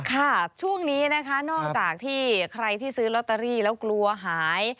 ค่ะช่วงนี้นะคะนอกจากที่ใครที่ซื้อลอตเตอรี่แล้วกลัวหาย